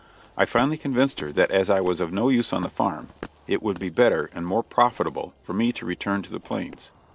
I finally convinced her that as I was of no use on the farm, it would be better and more profitable for me to return to the plains.